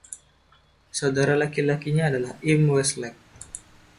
Saudara laki-lakinya adalah im Westlake.